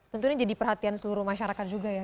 tentunya jadi perhatian seluruh masyarakat juga ya